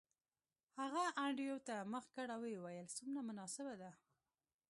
هغه انډریو ته مخ کړ او ویې ویل څومره مناسبه ده